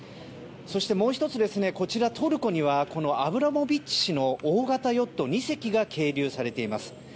そして、もう１つトルコにはこのアブラモビッチ氏の大型ヨット２隻が係留されています。